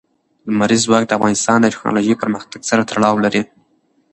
لمریز ځواک د افغانستان د تکنالوژۍ پرمختګ سره تړاو لري.